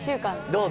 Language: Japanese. どう？